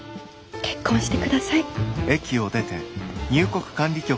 結婚してください。